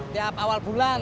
tiap awal bulan